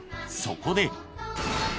そこで］